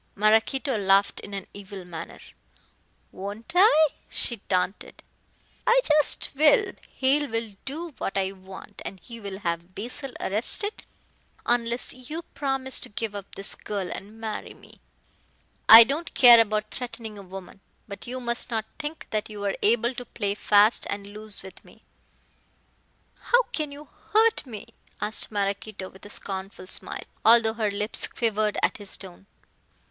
Maraquito laughed in an evil manner. "Won't I?" she taunted. "I just will. Hale will do what I want, and he will have Basil arrested unless you promise to give up this girl and marry me." "Hale will do nothing, neither will you," retorted Cuthbert. "I don't care about threatening a woman, but you must not think that you are able to play fast and loose with me." "How can you hurt me?" asked Maraquito with a scornful smile, although her lips quivered at his tone.